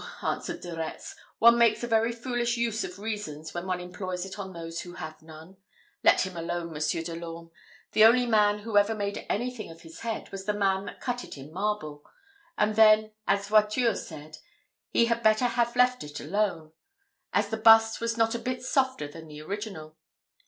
answered De Retz. "One makes a very foolish use of reason when one employs it on those who have none. Let him alone, Monsieur de l'Orme. The only man who ever made anything of his head, was the man that cut it in marble; and then, as Voiture said, he had better have left it alone, as the bust was not a bit softer than the original.